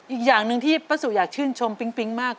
อีกอย่างหนึ่งที่ป้าสุอยากชื่นชมปิ๊งปิ๊งมาก